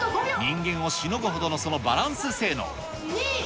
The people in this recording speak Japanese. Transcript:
人間をしのぐほどの、そのバランス性能。